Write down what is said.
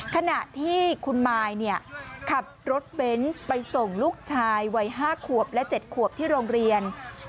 ขณะที่คุณมายขับรถเบนส์ไปส่งลูกชายวัย๕ขวบและ๗ขวบที่โรงเรียน